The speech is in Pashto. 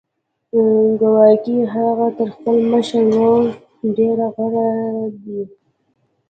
ګواکې هغه تر خپل مشر ورور ډېر غوره دی